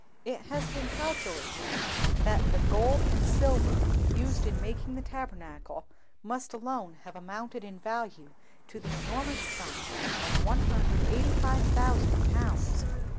It has been calculated that the gold and silver used in making the Tabernacle must alone have amounted in value to the enormous sum of 185,000 pounds!"